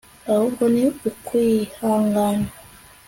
ahubwo ni ukwihangana